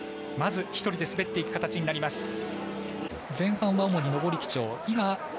まず１人で滑っていく形になります。